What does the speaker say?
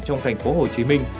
trong thành phố hồ chí minh